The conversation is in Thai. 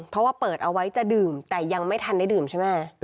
เพราะว่าเปิดเอาไว้จะดื่มแต่ยังไม่ทันได้ดื่มใช่ไหม